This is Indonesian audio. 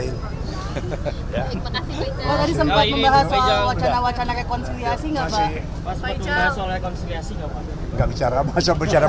yang lain belum kelihatan